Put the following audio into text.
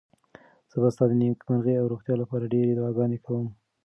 زه به ستا د نېکمرغۍ او روغتیا لپاره ډېرې دعاګانې کوم.